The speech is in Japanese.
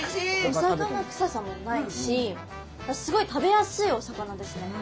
お魚臭さもないしすごい食べやすいお魚ですね。